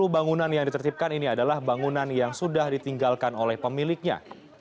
sepuluh bangunan yang ditertipkan ini adalah bangunan yang sudah ditinggalkan oleh pemiliknya